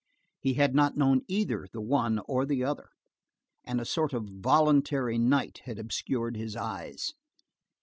He had not known either the one or the other, and a sort of voluntary night had obscured his eyes.